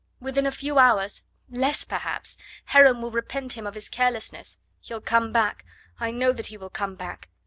within a few hours less perhaps Heron will repent him of his carelessness; he'll come back I know that he will come back.